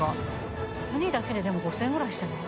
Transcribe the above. ウニだけででも５０００円ぐらいしてない？